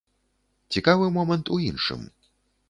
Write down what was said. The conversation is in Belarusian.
Цікавы момант у іншым.